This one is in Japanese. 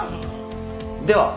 では。